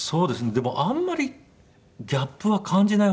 でもあんまりギャップは感じない方なんですよね。